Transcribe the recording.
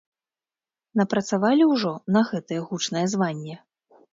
Напрацавалі ўжо на гэтае гучнае званне?